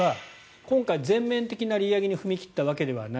今回、全面的な利上げに踏み切ったわけではない。